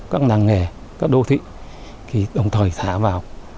các làng nghề các đô thị thì đồng thời xả vào